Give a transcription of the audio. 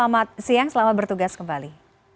dan siang selamat bertugas kembali